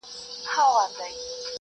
سر پر سر خوراک یې عقل ته تاوان دئ ,